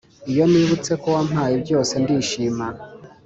iyo nibutse ko wampaye byose ndishima